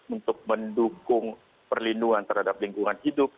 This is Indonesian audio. untuk mendukung perlindungan terhadap lingkungan hidup